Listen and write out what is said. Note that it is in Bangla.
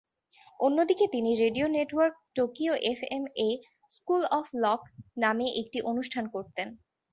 অন্যদিকে তিনি রেডিও নেটওয়ার্ক টোকিও এফএম এ "স্কুল অফ লক" নামে একটি অনুষ্ঠান করতেন।